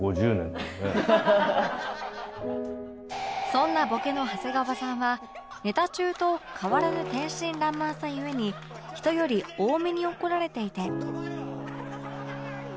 そんなボケの長谷川さんはネタ中と変わらぬ天真爛漫さ故に人より多めに怒られていて